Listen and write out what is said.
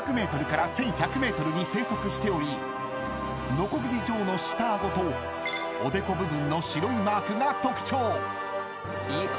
［ノコギリ状の下顎とおでこ部分の白いマークが特徴］